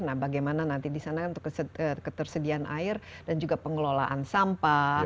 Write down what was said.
nah bagaimana nanti di sana untuk ketersediaan air dan juga pengelolaan sampah